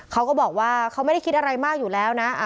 เขาก็บอกว่าเขาไม่ได้คิดอะไรมากอยู่แล้วนะ